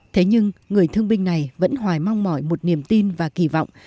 thế nhưng người thương binh này vẫn hoài mong mỏi một niềm tin và kỳ vọng